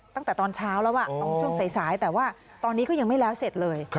ตั้งแต่ตอนเช้าแล้วตอนช่วงสายแต่ว่าตอนนี้ก็ยังไม่แล้วเสร็จเลย